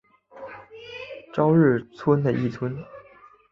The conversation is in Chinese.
朝日村的一村。